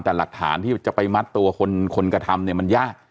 แต่หลักฐานที่จะไปมัดตัวคนกระทำเนี่ยมันยาก